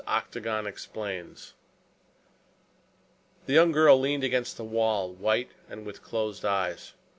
OCTAGON EXPLAINS The young girl leaned against the wall, white, and with closed eyes.